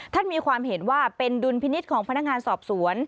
ท่านมีความเห็นว่าเป็นดุลพินิษฐ์ของพนักงานสอบสวน